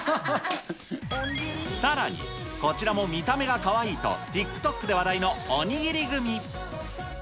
さらに、こちらも見た目がかわいいと、ＴｉｋＴｏｋで話題のおにぎりグミ。